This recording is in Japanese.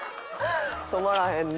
「止まらへんね」